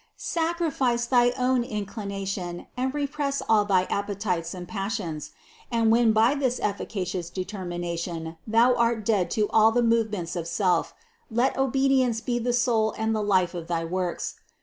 Sacrifice thy own in clination and repress all thy appetites and passions; and when by this efficacious determination thou art dead to THE CONCEPTION 353 all the movements of self, let obedience be the soul and the life of thy works.